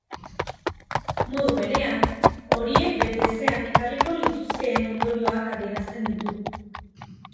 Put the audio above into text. Modu berean, horiek bete ezean ekarriko lituzkeen ondorioak adierazten ditu.